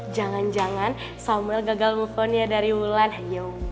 jangan jangan samuel gagal mufonnya dari wulan hayo